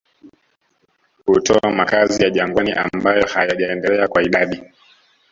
Hutoa makazi ya jangwani ambayo hayajaendelea kwa idadi